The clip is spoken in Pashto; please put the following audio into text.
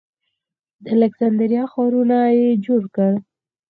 د الکسندریه ښارونه یې جوړ کړل